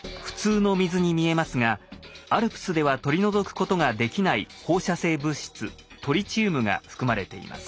普通の水に見えますがＡＬＰＳでは取り除くことができない放射性物質トリチウムが含まれています。